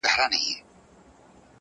چي به پورته څوك پر تخت د سلطنت سو.!